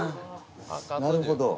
なるほど。